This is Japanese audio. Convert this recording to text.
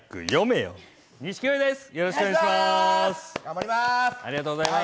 よろしくお願いします。